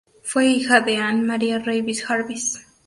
Fue hija de Ann Maria Reeves Jarvis.